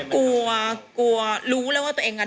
กลัวกลัวรู้แล้วว่าตัวเองอ่ะ